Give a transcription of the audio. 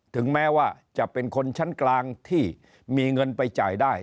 ถึงแม้ว่าจะเป็นคนชั้นกลางที่มีเงินไปจ่ายได้